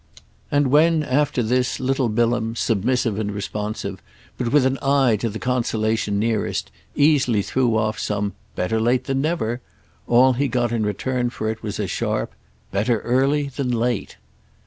And when after this little Bilham, submissive and responsive, but with an eye to the consolation nearest, easily threw off some "Better late than never!" all he got in return for it was a sharp "Better early than late!"